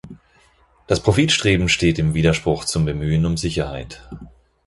Das Profitstreben steht im Widerspruch zum Bemühen um Sicherheit.